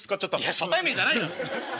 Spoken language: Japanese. いや初対面じゃないだろ！